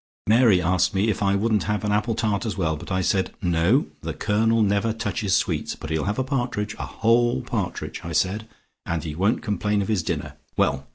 Mary asked me if I wouldn't have an apple tart as well, but I said 'No; the Colonel never touches sweets, but he'll have a partridge, a whole partridge,' I said, 'and he won't complain of his dinner.' Well!